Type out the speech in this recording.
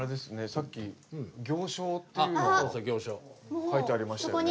さっき「行商」っていうのが書いてありましたよね。